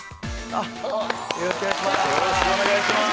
よろしくお願いします。